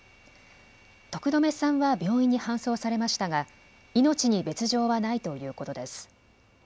徳留さんは病院に搬送されましたが命に別状はないということです。